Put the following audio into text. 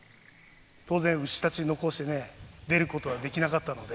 当然、牛たち残してね、出ることはできなかったので。